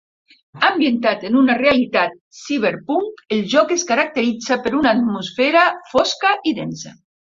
Ambientat en una realitat ciberpunk, el joc es caracteritza per una atmosfera fosca i densa.